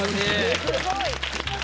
すごい。